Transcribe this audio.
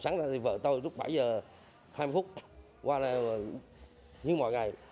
sáng ra thì vợ tôi lúc bảy giờ hai mươi phút qua đây như mọi ngày